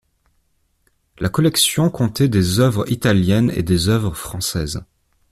La collection comptait des œuvres italiennes et des œuvres françaises.